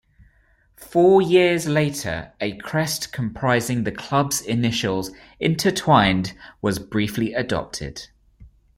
Four years later a crest comprising the club's initials intertwined was briefly adopted.